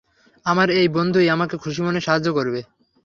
আমার এই বন্ধুই আমাকে খুশি মনে সাহায্য করবে।